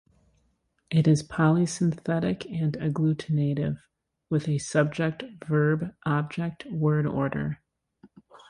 It is polysynthetic and agglutinative, with a subject-verb-object word order.